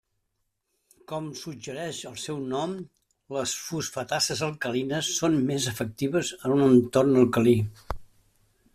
Com suggereix el seu nom, les fosfatases alcalines són més efectives en un entorn alcalí.